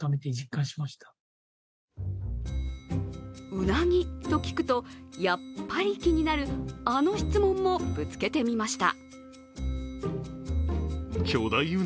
ウナギと聞くと、やっぱり気になるあの質問もぶつけてみました。